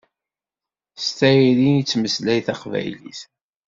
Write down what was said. S tayri i yettmeslay taqbaylit.